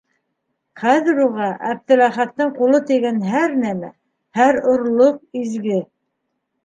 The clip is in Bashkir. Хәҙер уға Әптеләхәттең ҡулы тейгән һәр нәмә, һәр орлоҡ изге.